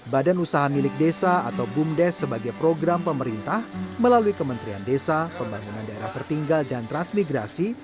badan usaha milik desa atau bumdes sebagai program pemerintah melalui kementerian desa pembangunan daerah tertinggal dan transmigrasi